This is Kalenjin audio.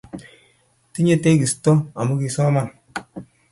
tinye tegisto amu kisoman